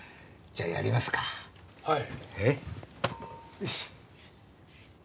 よし。